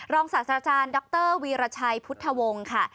ศาสตราจารย์ดรวีรชัยพุทธวงศ์ค่ะ